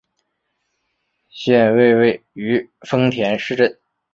县莅位于丰田市镇。